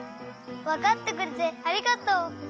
わかってくれてありがとう！